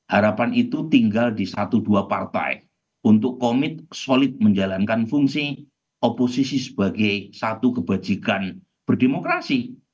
harapan itu tinggal di satu dua partai untuk komit solid menjalankan fungsi oposisi sebagai satu kebajikan berdemokrasi